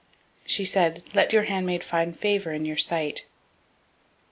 001:018 She said, Let your handmaid find favor in your sight.